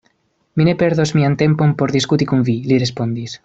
Mi ne perdos mian tempon por diskuti kun vi, li respondis.